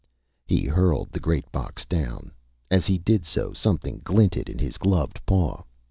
He hurled the great box down. As he did so, something glinted in his gloved paw.